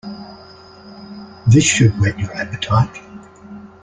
This should whet your appetite.